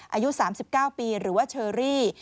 อายุ๓๙ปีหรือว่าเชอรี่